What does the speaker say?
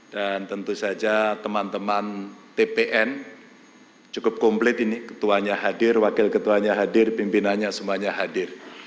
dan tentu saja teman teman tpn cukup komplit ini ketuanya hadir wakil ketuanya hadir pimpinannya semuanya hadir